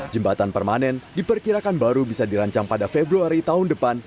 jembatan permanen diperkirakan baru bisa dirancang pada februari tahun depan